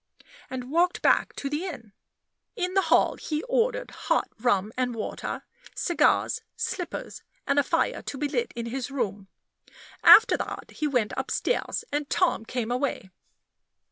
and walked back to the inn. In the hall he ordered hot rum and water, cigars, slippers, and a fire to be lit in his room. After that he went upstairs, and Tom came away.